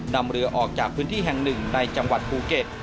นำเรือออกจากพื้นที่แห่งหนึ่งในจังหวัดภูเก็ต